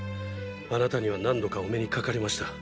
あなたには何度かお目にかかりました。